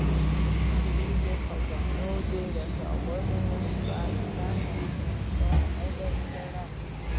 دوی د خزانو لوټلو پرته بل هیڅ کار نه دی کړی.